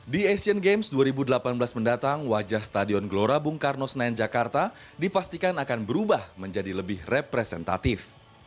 di asian games dua ribu delapan belas mendatang wajah stadion gelora bung karno senayan jakarta dipastikan akan berubah menjadi lebih representatif